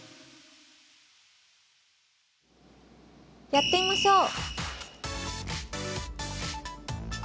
やってみましょう！